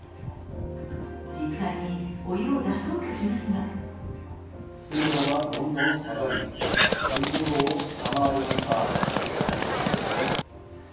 実際にお湯を出そうとしますが水温はどんどん下がり１５度を下回りました。